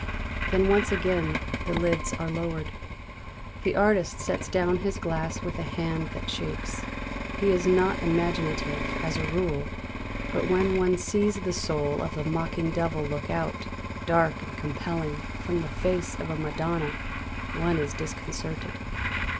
Then once again the lids are lowered. The artist sets down his glass with a hand that shakes. He is not imaginative, as a rule, but when one sees the soul of a mocking devil look out, dark and compelling, from the face of a Madonna, one is disconcerted.